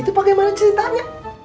itu bagaimana ceritanya